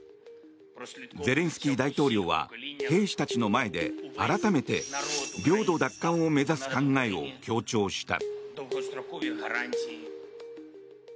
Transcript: ゼレンスキー大統領は兵士たちの前で改めて領土奪還を目指す考えを強調した。